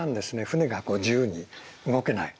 船が自由に動けない。